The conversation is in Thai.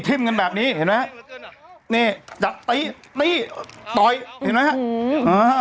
กันแบบนี้เห็นไหมนี่จัดตีตี้ต่อยเห็นไหมฮะ